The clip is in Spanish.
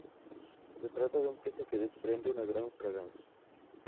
Se trata de un queso que desprende una gran fragancia.